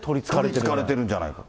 取りつかれてるんじゃないか。